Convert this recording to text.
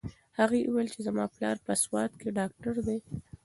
هغې وویل چې زما پلار په سوات کې ډاکټر دی.